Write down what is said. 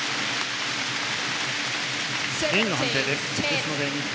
インの判定です。